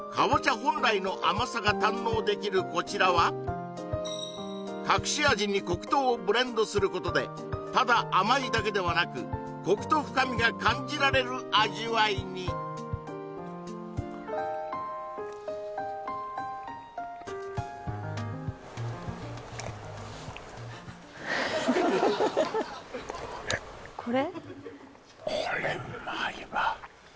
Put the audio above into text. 本来の甘さが堪能できるこちらは隠し味に黒糖をブレンドすることでただ甘いだけではなくコクと深みが感じられる味わいにこれ？